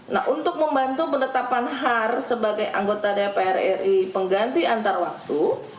nah untuk membantu penetapan har sebagai anggota dpr ri pengganti antar waktu